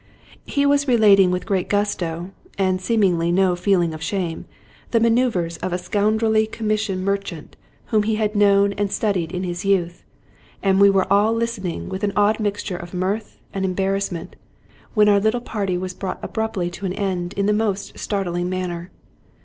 He was relating with great gusto, and seemingly no feel ing of shame, the maneuvers of a scoundrelly commission 199 Scotch Mystery Stories merchant whom he had known and studied in his youth, and we were all listening with an odd mixture of mirth and em barrassment, when our little party was brought abruptly to an end in the most startling manner.